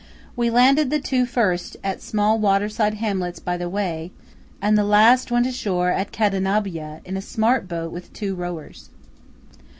We landed the two first at small water side hamlets by the way, and the last went ashore at Cadenabbia, in a smart boat with two rowers.